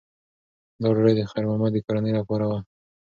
دا ډوډۍ د خیر محمد د کورنۍ لپاره وه.